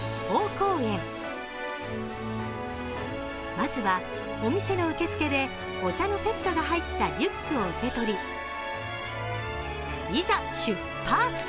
まずはお店の受付でお茶のセットが入ったリュックを受け取りいざ出発。